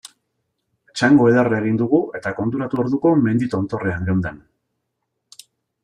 Txango ederra egin dugu eta konturatu orduko mendi tontorrean geunden.